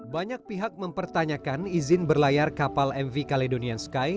banyak pihak mempertanyakan izin berlayar kapal mv caledonian sky